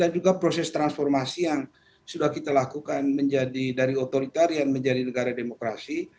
dan juga proses transformasi yang sudah kita lakukan dari otoritarian menjadi negara demokrasi